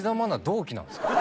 同期なんですか。